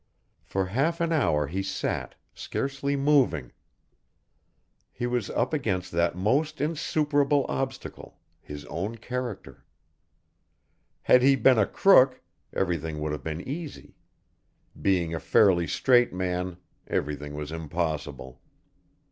For half an hour he sat, scarcely moving. He was up against that most insuperable obstacle, his own character. Had he been a crook, everything would have been easy; being a fairly straight man, everything was impossible.